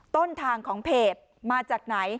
ต้นทางของเพจมาจากไหน